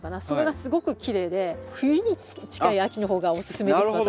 それがすごくきれいで冬に近い秋の方がおすすめです